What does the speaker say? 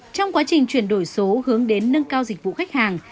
trong quá trình chuyển đổi số hướng đến nâng cao dịch vụ khách hàng